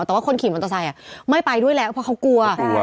แต่ว่าคนขี่มอเตอร์ไซค์ไม่ไปด้วยแล้วเพราะเขากลัว